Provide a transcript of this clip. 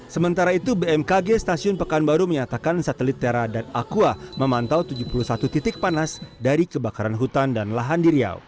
sementara itu bmkg stasiun pekanbaru menyatakan satelit tera dan aqua memantau tujuh puluh satu titik panas dari kebakaran hutan dan lahan di riau